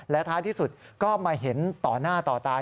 และท้ายที่สุดก็มาเห็นต่อหน้าต่อตา